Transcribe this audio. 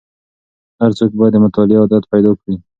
هر څوک باید د مطالعې عادت پیدا کړي.